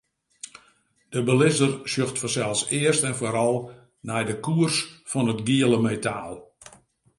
De belizzer sjocht fansels earst en foaral nei de koers fan it giele metaal.